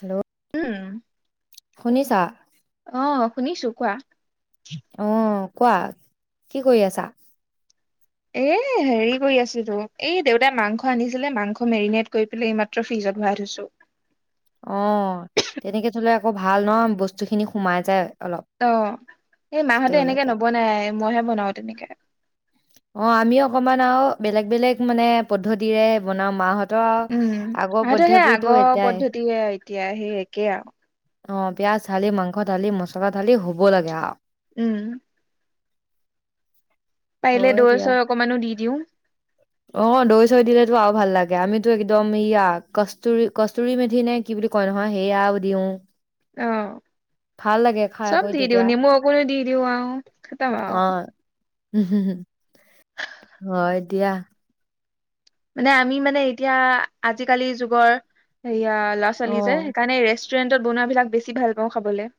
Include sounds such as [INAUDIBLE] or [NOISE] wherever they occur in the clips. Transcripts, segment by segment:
Hello উম। শুনিছা। অ শুনিছো কোৱা। খ [UNINTELLIGIBLE] অ কোৱা কি কৰি আছা। এ হেৰি কৰি আছিলোঁ এই দেউতাই মাংস আনিছিলে মাংস মেৰিনেট কৰি পেলাই এইমাত্ৰ ফ্ৰিজত ভৰাই থৈছো। অ' তেনেকে থলে আকৌ ভাল ন বস্তু খিনি সোমাই যায়। অলপ অ', এই মাহঁতে এনেকে ভিতৰলৈকে নবনাই। মইহে বনাওঁ তেনেকে। অ', আমিও অকমান আৰু বেলেগ বেলেগ মানে পদ্ধতিৰে বনাও মাহত। উম' আগতে সেই আগৰ এতিয়াই পদ্ধতিয়ে আৰু এতিয়া সেই একেই আও। অ পিয়াঁজ ঢালি মাংস ঢালি মছলা ঢালি হ'ব লাগে আও। উম। পাৰিলে হয় দৈ দিয়া চৈ অকমানো দি দিওঁ,। অ দৈ চৈ দিলেতো আৰু ভাল লাগে আমিতো একদম ইয়া কস্তুৰি কস্তুৰী মেথি নে কি বুলি কয় নহয় সেইয়া দিওঁ,। অহ' ভাল লাগে খাই চব কৈ দি দওঁ তেতিয়া নেমু অকো ন দি দওঁ আৰু খতম অ আও। হয় দিয়া। মানে আমি মানে এতিয়া আজিকালি যুগৰ -। - 'ইয়া ছোৱালী যে অ সেইকাৰণে ৰেষ্ট। ৰেষ্টুৰেণ্টত বনোৱাবিলাক বেছি ভাল পাওঁ খাবলৈ।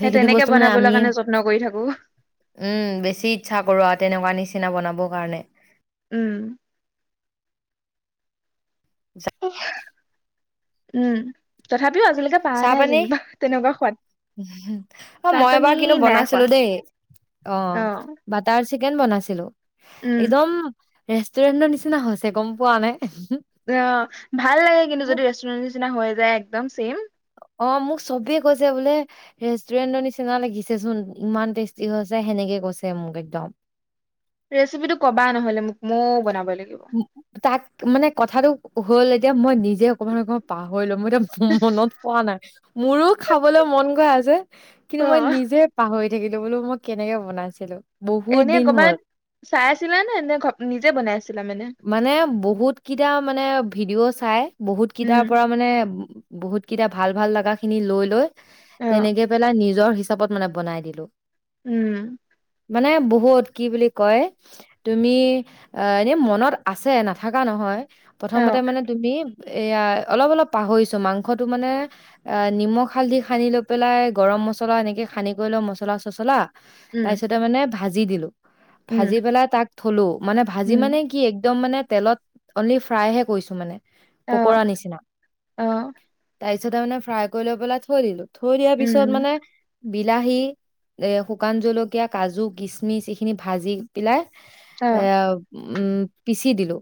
সেই তেনেকে বস্তু মানে বনাবলৈ আমিয়াই কাৰণে যত্ন কৰি থাকো উম বেছি ইচ্ছা কৰো আৰু তেনেকুৱা নিচিনা। বনাবৰ কাৰণে। উম। [UNINTELLIGIBLE] উম তথাপি। চাহ পানী অ' চাহ মই পানী এবাৰ কিনো নাই খোৱা বনাইছিলো দেই অ' বাটাৰ। চিকেন বনাইছিলোঁ।। উম। এদম। ৰেষ্টুৰেণ্টৰ নিচিনা হৈছে গম পোৱা নে। অ ভাল লাগে কিন্তু মোক যদি ৰেষ্টুৰেন্ট নিচিনা হৈ। একদম চেম। অ মোক চবেই কৈছে বোলে ৰেষ্টুৰেণ্টৰ নিচিনা লাগিছেচোন ইমান টেষ্টি হৈছে সেনেকে কৈছে মোক একদম। ৰেচিপি টো ক'বা নহ'লে মোক। মইয়ো বনাব লাগ উ তাক মানে কথটোো হ'ল এতিয়া মই নিজ নি অকমান অকমান পাহৰিলো মোৰ এতিয়া মনত পোৱা নাই মোৰো খাবলৈ মন গৈ আছে কিন্তু মই অ', নিজে পাহৰি ঢাকিটো বোলো মই কেনেকে বনাইছিলো। বহুত এনে দিন হ'ল কৰবাত চাই আছিলা নে নে ঘ নিজে বনাই আছিলা মানে বহুত কিইটা মানে ভিডিঅ' চাই বহুত উম, কিটাৰ পৰা মানে বহুতকেইটা ভাল ভাল লগা খিনি লৈ লৈ অ', তেনেকে পেলা নিজ নিজৰ হিচাপত মানে বনাই দিলো উম মানে বহুত কি বুলি কয় তুমি অ এনে মনত আছে, নাথকা নহয়। প্ৰথমতে অ', মানে তুমি এয়া অলপ অলপ পাহৰিছো মাংসটো মানে এ নিমখ হালধি সানি লৈ পেলাই গৰম মছলা এনেকে সানি কৰি লওঁ মছলা চছলা উম, তাৰপিছতে মানে ভাজি দিলোঁ। উম, ভাজি পেলাই তাক থলো। মানে ভাজি উম, মানে কি একদম মানে তেলত অনলি ফ্ৰাইহে কৰিছো মানে, অ', পকৰা নিচিনা অ', তাইৰ পিছত মই ফ্ৰাই কৰি লৈ পেলাই থৈ দিলো থৈ দিয়াৰ পিছত উম, মানে বিলাহী, এ শুকান জলকীয়া, কাজু, কিচমিচ এইখিনি ভাজি পেলাই, এ অ', উম পিচি দিলো,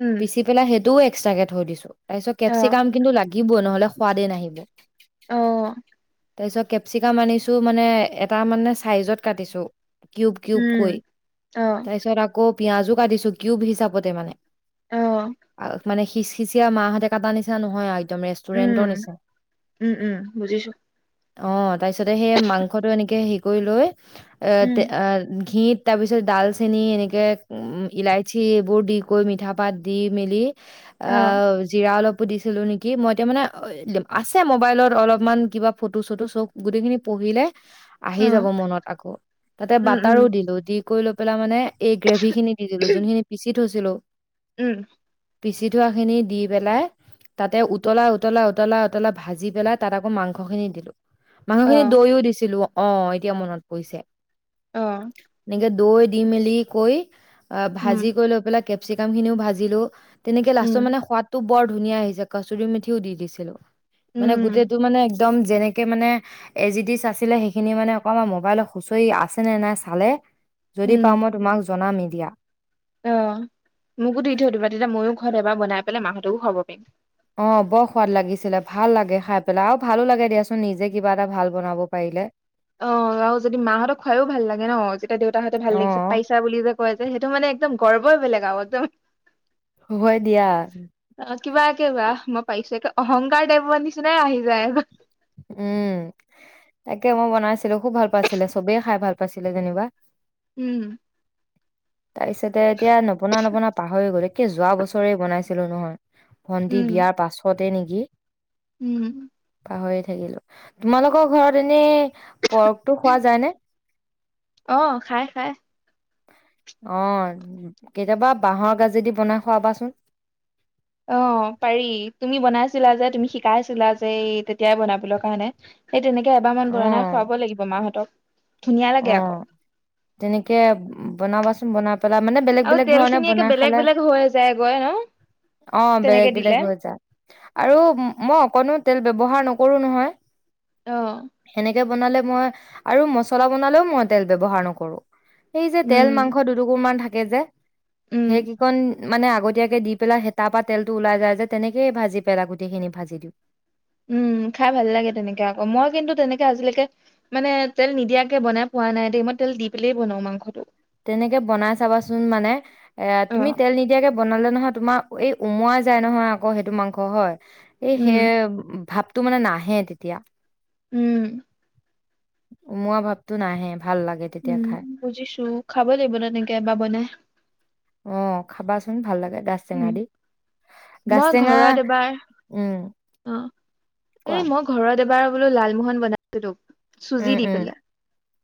উম। পিচি পেলাই সেইটোও এক্সটাকে থৈ দিছো তাৰ পিছত অ', কেপচিকাম কিন্তু লাগিবই নহলে সোৱাদেই নাহিব। অ', তাৰপিছত কেপচিকাম আনিছোঁ মানে এটা মানে ছাইজত কাটিছোঁ। কউব কউব উম, কই অ', তাৰপাছত আক পিয়াজো কাটিছো কিউব হিচাপতে মানে, অ', আল মানে সিচসিঁচিয়ি মাহঁতে কটা নিচা নহয় আ উম উম উম বুজিছো অ' তাৰপিছতে, সেই মাংসটো এনেকে হেৰি কৰি লৈ এ তে উম ঘিত তাৰ পিছত ডালচেনি এনেকে উম ইলাইচি এইবোৰ দি কৰি মিঠা বাদ দি মিলি অ জিৰা অলপ সুধিছিলো নেকি, মই এতিয়া মানে আছে মোবাইলত অলপমান কিবা ফটো চটো চব গোটেইখিনি পঢ়িলে আহি অ যাব মনত আক এতিয়া উম উম বঁটাৰৰো দিলো দি [UNINTELLIGIBLE] কৰি লৈ পেলাই মানে এই গ্ৰেভি খিনি দি দিলো। যোনখিনি পিচিত উ থৈছিলো উম পিচি থোৱাখিনি দি পেলাই তাতে উতলাই উতলাই উতলা উতলা ভাজি পেলাই তাত আকৌ মাংসখিনি দিলোঁ। অ মাংসখিনিত দৈও দিছিলো অ এতিয়া মনত পৰিছে আহ এতিয়া দৈ দি মেলি কৈ অ ভাজি উম কৰি লৈ পেলাই কেপচিকামখিনিও ভাজিলো তেনেকে লাষ্টৰ উম মানে সোৱখদাটো [UNINTELLIGIBLE] বৰ ধুনীয়া হৈছে কচুৰি মেথিও দি দিছিলো। মানে উম গোটেইটো মানে একদম যেনেকে মানে এজইতিচ আছিলে সেইখিনি মানে অকমান মোবাইলত খুচৰি আছে নে নাই চালে [UNINTELLIGIBLE] যদি পাওঁ উম মই তোমাক জনামেই দিয়া। [UNINTELLIGIBLE] অ মোকো দি থৈ দি'বা তেতিয়া ময়ো মত এব বনাই পেলাই মাহতকো খব পিম [UNINTELLIGIBLE] [UNINTELLIGIBLE] অ বৰ সোৱাদ লাগিছিলে ভাল লাগে খাই পেলাই আৰু ভালো লাগে দিয়াচোন নিজে কিবা এটা ভাল বনাব পাৰিলে। অ আৰু যদি মাহঁতক খুৱাইও ভাল লাগে ন যেতিয়া দেউতাহঁতে ভাল অ লাগিছে পাইছা বুলি যে কয় যে সেইটো মানে একদম গৰ্বই বেলেগ আৰু একদম হয় দিয়া, অ কিবা একিবা মই পাইছো একে অহংকাৰ টাইপৰ নিচিনা আহি যায় উম তাকে মই বনাইছিলো খুব ভাল পাইছিলে চবেই খাই ভাল পাইছিলে যেনিবা উম তাৰপিছতে এতিয়া নবনাই নবনাই পাহৰি গ'লো একেই যোৱা বছৰে বনাইছিলো নহয় ভণ্টি উম বিয়াৰ পাছত তেনেকি উম পাহৰিয়ে থাকিলো, তোমালোকৰ ঘৰত এনে পৰ্কটো খোৱা যায় নে? অ' খাই খাই, অ' কেতিয়াবা বাঁহৰ গাজেদি বনাই খুৱাবাচোন? অ পাৰি তুমি বনাইছিলা যে তুমি শিকাইছিলা যে তেতিয়াই বনাবলৈ কাৰণে এই তেনেকে এবাৰমান অ বনাই খুৱাব লাগিব মাহঁতক। ধুনীয়া লাগে আকৌ অ' তেনেকে বনাবাচোন বনাব পেলা মানে বেলেগ আৰু বেলেগ তেল ধৰণে খিনি একে বনাই বেলেগ খালে, বেলেগ হৈ যায়গৈ ন অ বেলেগ তেনেকে বেলেগ দিলে হৈ যায়। আৰু মই অকনো- তেল ব্যৱহাৰ নকৰোঁ নহয়। অঁ কে বনালে মই আৰু মচ- লা বনালেও মই তেল ব্যৱহাৰ নকৰো এই যে তেল উম মাংস দুুটুকুৰ মান থাকে কে যে উম সে কি কন- মানে আগতীয়াকে দি পেলাই হেতাৰ পৰা তেলটো ওলাই যাই যে তেনেকেইে ভাজি পেলাই গোটেই খিনি ভাজি দিওঁ উম! খাই ভাল লাগে তেনেকে আকৌ মই কিন্তু তেনেকে আজিলৈকে মানে তেল নিদিয়াকে বনাই পোৱা নাই দেই মই তেল দি পেলাই বনাও মাংসটো তেনেকে বনাই চাবাচোন। মানে এ অ তুমি তেল নিদিয়াকে- বনালে নহয় তোমাৰ এই উমোৱাই যায় নহয় আকৌ সেইটো মাংস হয়। এই সে উম ভাপ টো মানে নাহে তেতিয়া। উম' উমোৱা ভাপটো নাহে ভাল লাগে তেতিয়া উম খাই। বুজিছো খাব লাগিব ন তেনেকে এবাৰ বনাই ন ভাল লাগে। গাজ টেঙা দি গাজ উম'মই টেঙা ঘৰত এবাৰ উম কোৱা অ'এই মই ঘৰত এবাৰ- বোলো লালমোহন বনা [UNINTELLIGIBLE] উম উম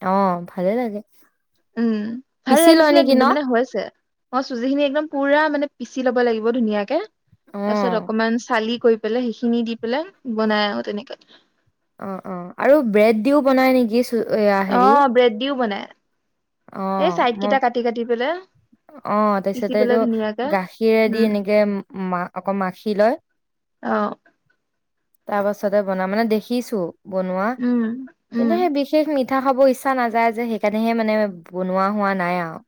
অ ভালেই লাগে উম ভাল পিচি লয় লাগিছিলে নেকি ন? কিন্তু মানে হৈছে অ চুজি খিনি একদম পুৰা মানে পিচি ল'ব লাগিব ধুনীয়াকে তাৰ পিছত অ', অকমান চালি- কৰি পেলে সেইখিনি দি পেলাই বনাই আৰু তেনেকে অ-অ আৰু ব্ৰেড দিও বনাই নেকি চৈয়া অ হেৰি? ব্ৰেড দিও বনাই এই অ' চাইড মই কেইটা কাটি কাটি পেলাই অ' পিচি পেলাই তাৰপিছতেটো ধুনীয়াকে গাখৰেদি উম এনেকে মা অকৌ মাখি লয়। অঁ, তাৰ পাছতে বনাম মানে দেখিছো। বনোৱা উম উম কিন্তু সেই বিশেষ মি পিঠা খাবলৈ ইচ্ছা নাযায় যে সেইকাৰণেহে মানে- বনোৱা হোৱা নাই আৰু।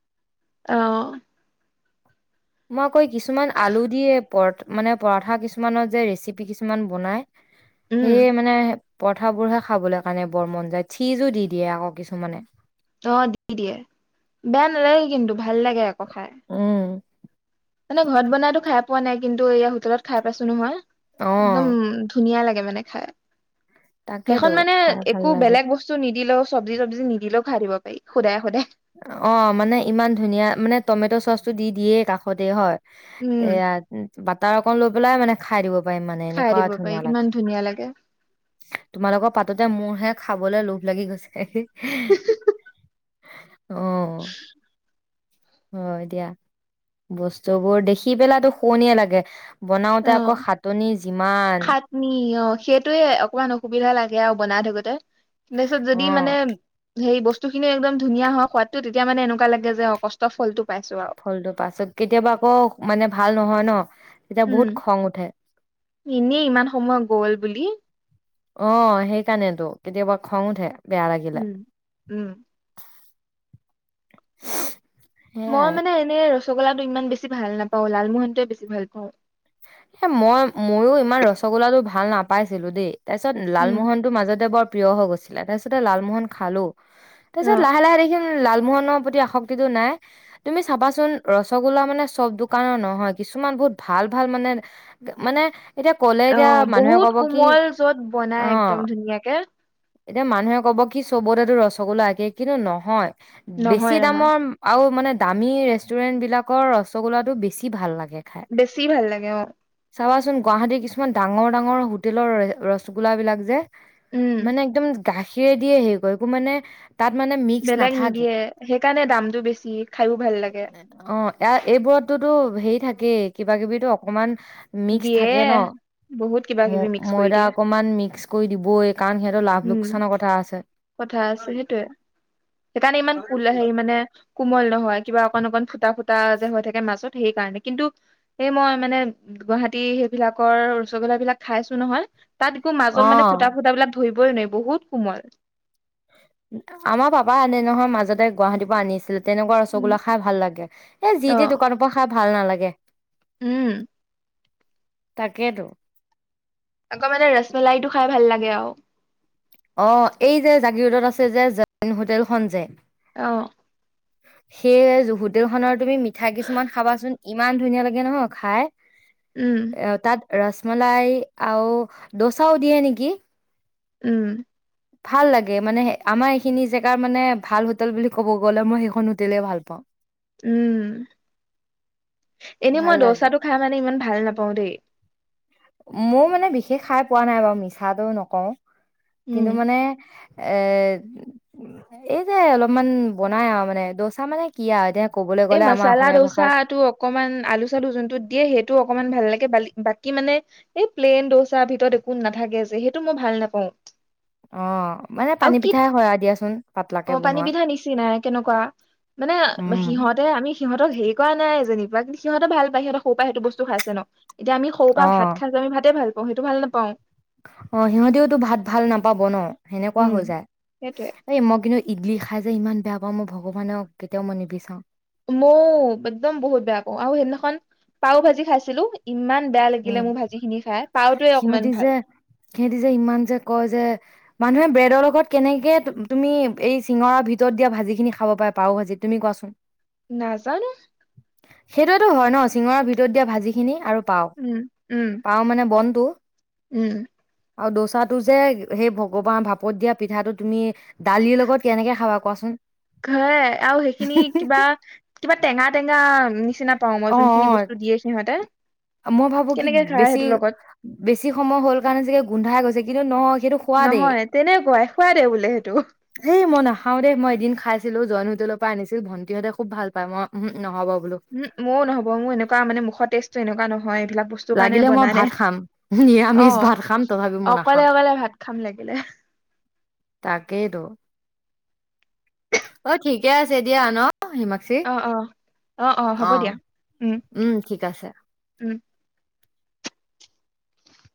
অহ' ম কৈ কিছুমান আলু দিয়ে। পৰ মানে, পৰঠা কিছুমানৰ যে ৰেচিপি কিছুমান বনায়। উম সেই মানে পৰঠাবোৰহে খাবলৈ কাৰণে বৰ মন যায়, চীজো দি দিয়ে আকৌ কিছুমানে। অ' দি দিয়ে বেয়া নালাগে কিন্তু ভাল লাগে আকৌ। অঁ খাই। উম, মানে ঘৰত বনাইতো খাই পোৱা নাই কিন্তু এ হটেলত খাই পাইছো নহয় অ'। এক্দম ধুনীয়া লাগে। লাগে মানে খাই। তাকেতো সেইখন মানে খাই ভাল একো লাগে বেলেগ বস্তু নিদিলেও, সবজি-টবজি নিদিলেও খাই দিব পাৰি সুদাই-সুদাই। অ মানে ইমান ধুনীয়া মানে টমেটো চচ টো দি দিয়েই কাষতে হয়। তে- উম তাৰ অক লৈ পেলাই মানে খাই দিব মানে খাই এনেকুৱা দিব পাৰি ধুনীয়া কিমান লাগে, ধুনীয়া লাগে তোমাৰ লগত পাতোতে মোৰ হে খাবলৈ লোভ লাগি গৈছে। [UNINTELLIGIBLE] অ, [UNINTELLIGIBLE] হয় দিয়া বস্তু বোৰ দেখি পেলো শুৱনিয়ে লাগে। অ বনাওঁতে আকৌ সাতনি যিমান। খাটনি অ সেইটোয়ে অকমান অসুবিধা লাগে আৰু বনাই থাকোতে। তাৰপিছত অ যদি মানে সেই বস্তু খিনিও একদম ধুনীয়া হয়, সোৱাদতটো তেতিয়া মানে এনেকুৱা লাগে যে অ' কষ্ট ফলটো পাইছো আৰু ফলটো পাছত কেতিয়াবা আকৌ মানে ভাল নহয় ন। তেতিয়া বহুত উম' খং উঠে এনেই ইমান সময় গল বুলি। অ সেইকাৰণেতো, কেতিয়াবা খং উঠে। বেয়া লাগিলে উম উম'' [UNINTELLIGIBLE] মই সেয়াই মানে এনে ৰছো চগলাটো ইমান বেছি ভাল নাপাওঁ, লালমোহনটোৱে বেছি ভাল পাওঁ। এ মই ময়ো ইমান ৰসগোল্লাটো ভাল নাপাইছিলো দেই! তাৰ পিছত উম লালমোহন টো মাজতে বৰ প্ৰিয় হৈ গৈছিলে। তাৰ ছত- টা লালমোহন খালো। তাৰ অ পিছত লাহে লাহে দেখিলোঁ লালমোহনৰ প্ৰতি আসক্তিটো নাই। তুমি চাবাচোন ৰসগুল্লা মানে চব দোকানৰ নহয়, কিছুমান বহুত ভাল ভাল মানে মানে এতিয়া ক'লে অ এতিয়া মানুহে বহুত কব কি কোমল, য'ত বনাই অ একদম ধুনীয়াকে। এতিয়া মানুহে ক'ব কি চবতেটো ৰসগোল্লা একে, কিন্তু নহয়। নহয় বেছি নহয় দামৰ আৰু মানে দামী ৰেষ্টুৰেণ্ট বিলাকৰ ৰসগোল্লাটো বেছি ভাল লাগে। খাই বেছি ভাল লাগে অ। চাবাচোন গুৱাহাটীৰ কিছুমান ডাঙৰ ডাঙৰ হোটেলৰ ৰসগোল্লাবিলাক যে, উম মানে একদম গাখীৰে দিয়ে হেৰি কৰে, এইবোৰ মানে তাত মানে মিক্স বেলেগ নাথেকে। নিদিয়ে সেইকাৰণে দামটো বেছি খায়ো ভাল লাগে অ' এয়া এইবোৰততোতো হেই থাকেই কিবা কিবি অকমান মিক্স দিয়ে থাকে ন! বহুত কিবা কিবি মিক্স কৰি ময়দা দিয়ে অকনমান মিক্স কৰি দিবই কাৰণ সিহঁতৰ লাভ উম লোকচানৰ কথা আছে। কথা আছে সেইটোয়ে সেইকাৰণে ইমান কোল হেৰি মানে কোমল নহয়, কিবা অকণ অকণ ফুটা-ফুটা যে হৈ থাকে মাজত সেই কাৰণে কিন্তু সেই মই মানে গুৱাহাটী সেইবিলাকৰ ৰসগোল্লা বিলাক খাইছো নহয় তাত একো মাজত অ মানে ফুটা-ফুটা বিলাক ধই বৈ নোৱায়ি বহুত কোমল আমাৰ পাপা আনে নহয়, মাজতে গুৱাহাটীৰ পৰা আনিছিলে। তেনেকুৱা উম ৰসগোল্লা খাই ভাল লাগে। এ যি অ টি দোকানৰ পৰা খাই ভাল নালাগে উম তাকেতো আকৌ মানে ৰসমলাইটো খাই ভাল লাগে আও অ এই যে জাগিৰোদত আছে যে, জৈন হোটেলখন যে অ সেই যে হোটেলখনৰ তুমি মিঠা কিছুমান খাবাচোন ইমান ধুনীয়া লাগে নহয় খাই উম অ তাত ৰসমলাই আও দ'চাও দিয়ে নেকি উম ভাল লাগে মানে আমাৰ এইখিনি জেগাৰ মানে ভাল হোটেল বুলি ক'ব গ'লে মই সেইখন হোটেলে ভাল পাওঁ উম, এনেই ভাল মই লাগে দ'চাটো খাই মানে ইমান ভাল নাপাওঁ দেই মোৰ মানে বিশেষ খাই পোৱা নাই বাৰু, মিছাটো নকওঁ উম। কিন্তু মানে এ, এই যে অলপমান বনাই আও মানে, দ'চা মানে কি আৰু এতিয়া ক'বলৈ এই গ'লে আমাৰ মচালা অসমীয়া ভাষাত দ'চাটো অকমান আলু-চালু যোনটোত দিয়ে সেইটো অকমান ভাল লাগে বালি বাকি মানে এই প্লেইন দচা ভিতৰত একো নাথাকে যে সেইটো মই ভাল নাপাওঁ অ' মানে আৰু পানী কি পিঠাই হয় আও দিয়াচোন পাতলাকে অ পানী বনোৱা পিঠা নিচিনাই, কেনেকুৱা মানে উম সিহঁতে আমি সিহঁতক হেৰি কৰা নাই যেনিবা কিন্তু সিহঁতে ভালপাই, সিহঁত সৰু পায় সেইটো বস্তু খাইছে ন এতিয়া আমি সৰুৰ পৰা ভাত অ খালো, আমি ভাতে ভাল পাও হেটো ভাল নাপাওঁ অ' সিহঁতেওতো ভাত ভাল নাপাব ন' হেনেকুৱা উম হৈ যায়। সেইটোৱে। এই মই কিন্তু ইড্ডলী খাই যে ইমান বেয়া পাওঁ মই ভগৱানক কেতিয়াও মই নিবিচাৰো মইও একদম বহুত বেয়া পাওঁ আৰু সেইদিনাখন পাও ভাজি খাইছিলো ইমান বেয়া লাগিলে উম মোৰ ভাজি খিনি খাই পাওটয়ে অকমান সিহঁতি ভাল। যে সিহঁতি যে ইমান যে কয় যে মানুহে ব্ৰেডৰ লগত কেনেকে তুম তুমি এই চিঙৰাৰ ভিতৰত দিয়া ভাজিখিনি খাব পাৰে, পাও ভাজি তুমি কোৱাচোন? নাজানো সেইটোৱেতো হয় ন', চিঙাৰ ভিতৰত দিয়া ভাজিখিনি আৰু পাও উম উম পাওঁ মানে বন্ধ ন্ধু। উম আৰু দ'চাটো যে হেই ভগৱান ভাপত দিয়া পিঠাটো তুমি দালিৰ লগত কেনেকে খাবা? কোৱাচোন? আৰু সেইখিনি কিবা কিবা টেঙা টেঙা নিচিনা পাও মই অ যোনখিনি বস্তু দিয়ে সিহঁতে অ মই ভাবো কি, কেনেকে খাই বেছি সেইটো লগত বেছি সময় হ'ল কাৰণে চাগে গোন্ধাই গৈছে কিন্তু নহয় সেইটো সোৱাদেই, নহয় তেনেকুৱাই খুৱাই দে বোলে সেইটো হেই মই নাখাও দে, মই এদিন খাইছিলো জ ৰ পৰা আনিছিল ভন্টিহঁতে খুব ভাল পায় মইম ওহো নহ'ব বোলো উহু, মোৰ ন'হব ব মোৰ এনেকুৱ মানে, মুখৰ টেষ্টটো এনেকুৱ নহ হয় এইবিলাক বস্তু কাৰণে লাগিলে মই বনাই দে, ভাত খাম অ নিৰামিষ ভাত খাম তথাপি মই নাখাওঁ অকলে অকলে ভাত খাম লাগিলে। তাকেইতো অ' ঠিকে আছে দিয়া ন। অ' হিমাক্ষি, অ অ অ হ'ব অ' দিয়া উ'ম, ঠিক আছে। উ'ম।